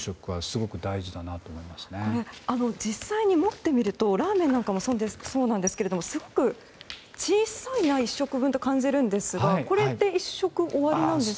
これ、実際に持ってみるとラーメンなんかもそうなんですけどすごく１食分が小さいなと感じるんですがこれで１食終わりなんですか？